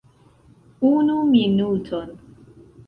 Unu minuton.